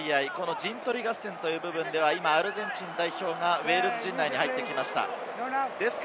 キックの蹴り合い、陣取り合戦という部分ではアルゼンチン代表がウェールズ陣内に入ってきました。